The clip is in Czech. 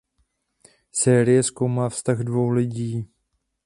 Série zkoumá vztah dvou lidí.